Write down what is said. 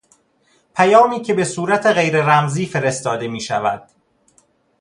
پیامی که به صورت غیر رمزی فرستاده میشود